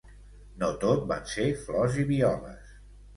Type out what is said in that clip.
No tot van ser flors i violes.